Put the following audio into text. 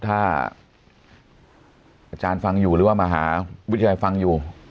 ถ้าอาจารย์ฟังอยู่หรือว่ามหาวิทยาลัยฟังอยู่